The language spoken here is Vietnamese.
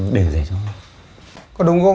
đi anh cứ yên tâm